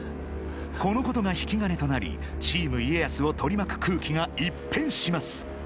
このことが引き金となりチーム家康を取り巻く空気が一変します。